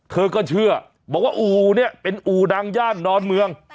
เธอก็เชื่อบอกว่าอู่เนี่ยเป็นอู่ดังย่านนอนเมือง